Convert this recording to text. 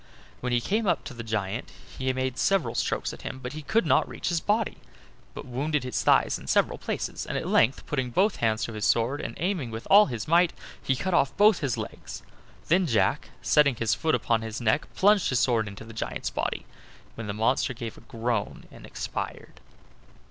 When he came up to the giant he made several strokes at him, but could not reach his body, but wounded his thighs in several places; and at length, putting both hands to his sword and aiming with all his might, he cut off both his legs. Then Jack, setting his foot upon his neck, plunged his sword into the giant's body, when the monster gave a groan and expired.